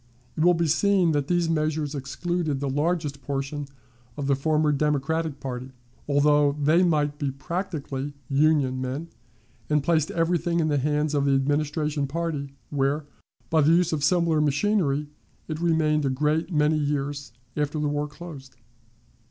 It will be seen that these measures excluded the largest portion of the former Democratic party, although they might be practically "Union" men, and placed everything in the hands of the Administration party, where, by the use of similar machinery, it remained a great many years after the war closed.